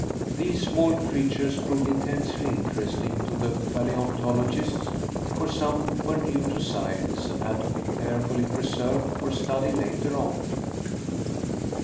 These small creatures proved intensely interesting to the paleontologists, for some were new to science and had to be carefully preserved for study later on.